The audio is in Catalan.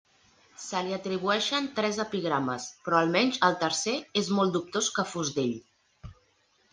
Se li atribueixen tres epigrames, però almenys el tercer és molt dubtós que fos d'ell.